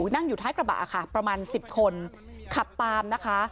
นั่งอยู่ท้ายกระบะค่ะประมาณ๑๐คนขับตามนะคะ